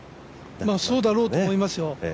そうだろうと思いますよ。